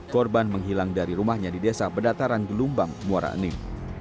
korban menghilang dari rumahnya di desa pedataran gelombang muara enim